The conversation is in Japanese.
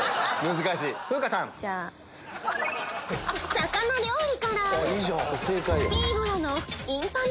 魚料理から！